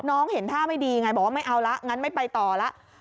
เห็นท่าไม่ดีไงบอกว่าไม่เอาละงั้นไม่ไปต่อแล้ว